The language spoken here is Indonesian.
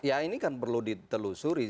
ya ini kan perlu ditelusuri